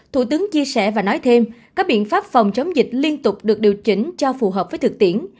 thủ tướng chia sẻ và nói thêm các biện pháp phòng chống dịch liên tục được điều chỉnh cho phù hợp với thực tiễn